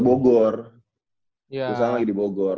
pusatnya lagi di bogor